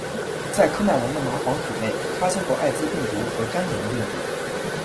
在喀麦隆的蚂蟥体内发现过艾滋病毒和肝炎病毒。